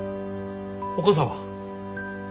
お母さんは？